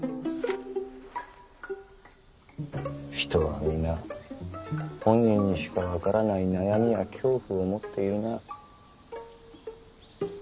人はみな本人にしか分からない悩みや恐怖を持っているな。